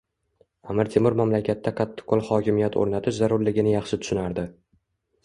Amir Temur mamlakatda qatiqqo'l hokimiyat o'rnatish zarurligini yaxshi tushunardi.